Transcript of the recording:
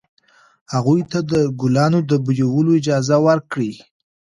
هغوی ته د ګلانو د بویولو اجازه ورکړئ.